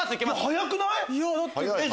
早くない？